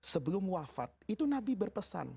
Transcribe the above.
sebelum wafat itu nabi berpesan